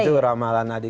itu ramalan adi